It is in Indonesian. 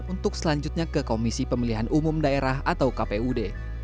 untuk selanjutnya ke komisi pemilihan umum daerah atau kpud